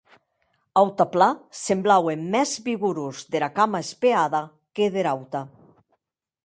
Autanplan semblaue mès vigorós dera cama espeada que dera auta.